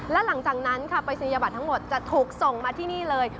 และหลังจากนั้นค่ะปริศนียบัตรทั้งหมดจะถูกส่งมาที่นี่เลย